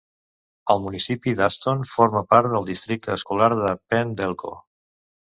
El municipi d'Aston forma part del districte escolar de Penn-Delco.